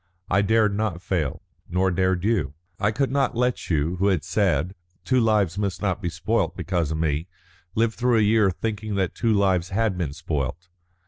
I dared not fail, nor dared you. I could not let you, who had said 'Two lives must not be spoilt because of me,' live through a year thinking that two lives had been spoilt.